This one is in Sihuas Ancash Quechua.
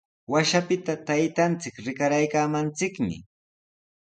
Washapita taytanchik rikaraaykaamanchikmi.